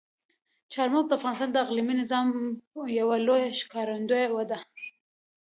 چار مغز د افغانستان د اقلیمي نظام یوه لویه ښکارندوی ده.